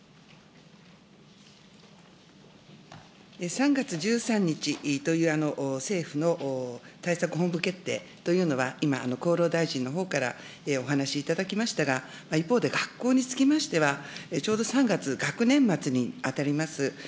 ３月１３日という政府の対策本部決定というのは、今、厚労大臣のほうからお話しいただきましたが、一方で学校につきましては、ちょうど３月、学年末にあたります。